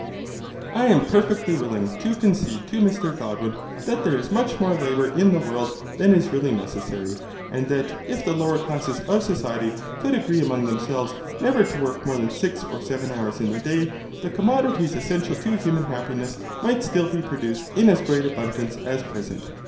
I am perfectly willing to concede to Mr Godwin that there is much more labour in the world than is really necessary, and that, if the lower classes of society could agree among themselves never to work more than six or seven hours in the day, the commodities essential to human happiness might still be produced in as great abundance as at present.